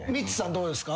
どうですか？